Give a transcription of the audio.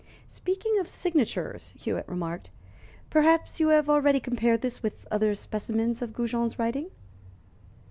"Speaking of signatures," Hewitt remarked, "perhaps you have already compared this with other specimens of Goujon's writing?"